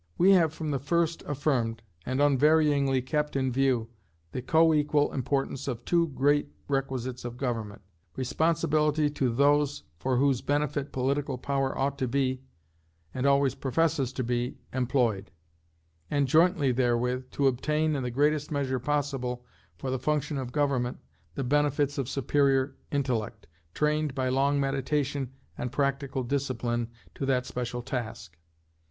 We have from the first affirmed, and unvaryingly kept in view, the coequal importance of two great requisites of government responsibility to those for whose benefit political power ought to be, and always professes to be, employed; and jointly therewith, to obtain, in the greatest measure possible, for the function of government, the benefits of superior intellect, trained by long meditation and practical discipline to that special task.